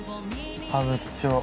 歌舞伎町。